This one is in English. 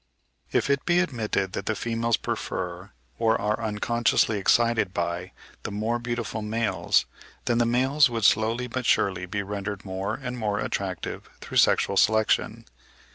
If it be admitted that the females prefer, or are unconsciously excited by the more beautiful males, then the males would slowly but surely be rendered more and more attractive through sexual selection.